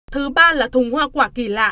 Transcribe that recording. thứ ba là thùng hoa quả kỳ lạ